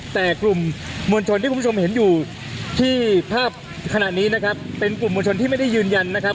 ทางกลุ่มมวลชนทะลุฟ้าทางกลุ่มมวลชนทะลุฟ้า